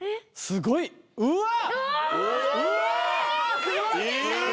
すごい！うわ！